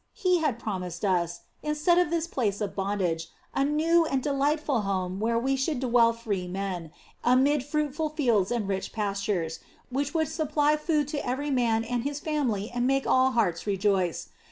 He had promised us, instead of this place of bondage, a new and delightful home where we should dwell free men, amid fruitful fields and rich pastures, which would supply food to every man and his family and make all hearts rejoice.